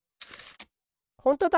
ほんとだ！